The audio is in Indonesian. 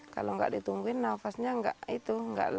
kalau gak ditungguin nafasnya gak itu